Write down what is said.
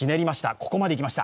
ここまでいきました、